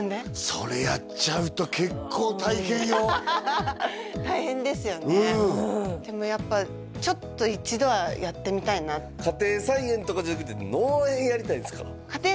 それやっちゃうと結構大変よ大変ですよねうんでもやっぱちょっと一度はやってみたいな家庭菜園とかじゃなくて農園やりたいんすか？